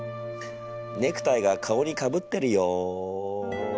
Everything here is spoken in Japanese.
ネクタイが顔にかぶってるよ。